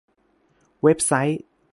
เว็บไซต์